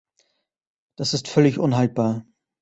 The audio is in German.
Das ist völlig unhaltbar.